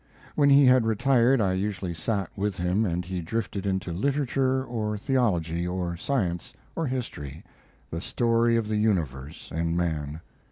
When he had retired I usually sat with him, and he drifted into literature, or theology, or science, or history the story of the universe and man.